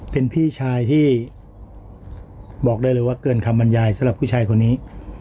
เป็นพี่ชายที่บอกได้เลยว่าเกินคำบรรยายสำหรับผู้ชายคนนี้